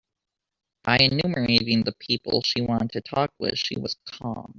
By enumerating the people she wanted to talk with, she was calmed.